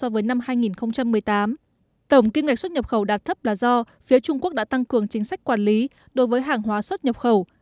tổng kinh ngạch xuất nhập khẩu đạt thấp là do phía trung quốc đã tăng cường chính sách quản lý đối với hàng hóa xuất nhập khẩu